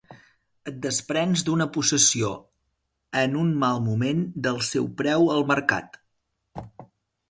Et desprens d'una possessió en un mal moment del seu preu al mercat.